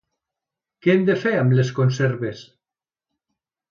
Què hem de fer amb les conserves?